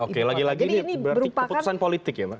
oke lagi lagi ini berarti keputusan politik ya pak